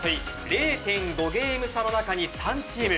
０．５ゲーム差の中に３チーム。